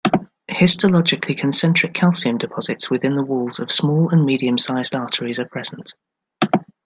Histologically concentric calcium deposits within the walls of small and medium-sized arteries are present.